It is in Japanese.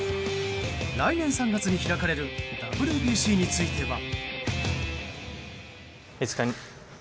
来年３月に開かれるＷＢＣについては。